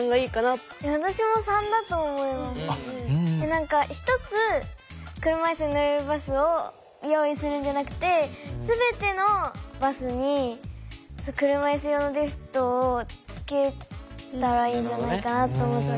何か１つ車いすに乗れるバスを用意するんじゃなくて全てのバスに車いす用のリフトをつけたらいいんじゃないかなと思って。